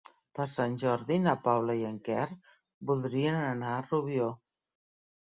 Per Sant Jordi na Paula i en Quer voldrien anar a Rubió.